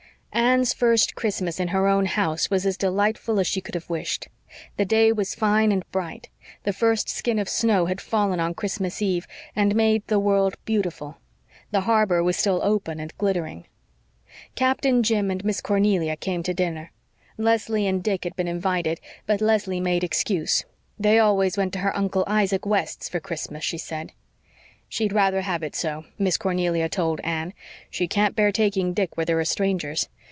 Anne's first Christmas in her own house was as delightful as she could have wished. The day was fine and bright; the first skim of snow had fallen on Christmas Eve and made the world beautiful; the harbor was still open and glittering. Captain Jim and Miss Cornelia came to dinner. Leslie and Dick had been invited, but Leslie made excuse; they always went to her Uncle Isaac West's for Christmas, she said. "She'd rather have it so," Miss Cornelia told Anne. "She can't bear taking Dick where there are strangers.